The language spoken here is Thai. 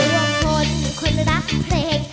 ร่วงคนคนรักเพลง